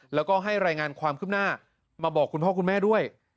แล้วก็ให้รายงานความคืบหน้ามาบอกคุณพ่อคุณแม่ด้วย